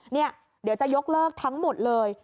เดี๋ยวจะยกเลิกทั้งหมดเลย